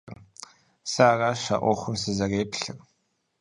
Сэ аращ а Ӏуэхум сызэреплъыр.